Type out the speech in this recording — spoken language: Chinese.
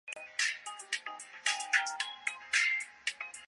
此时医院设备人员匮乏。